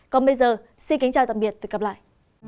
còn bây giờ xin kính chào tạm biệt và hẹn gặp lại